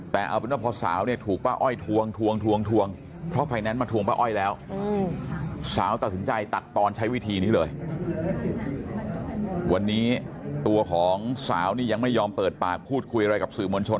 แต่เอาเป็นว่าพอสาวถูกป้าอ้อย